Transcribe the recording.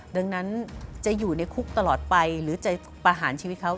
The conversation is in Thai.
ดังนั้นจะอยู่ในคุกตลอดไปหรือจะประหารชีวิตเขา